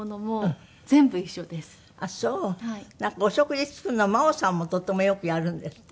お食事作るの真央さんもとってもよくやるんですって？